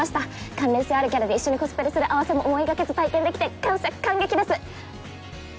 関連性あるキャラで一緒にコスプレする「併せ」も思いがけず体験できて感謝感激です！